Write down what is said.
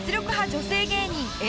女性芸人Ａ